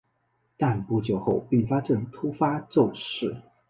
但不久后并发症突发骤逝。